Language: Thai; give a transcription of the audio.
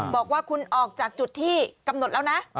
บอกว่าคุณออกจากจุดที่กำหนดแล้วนะ